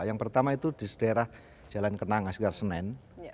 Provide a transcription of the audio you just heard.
yang pertama itu di sejarah jalan kenang di sejarah senen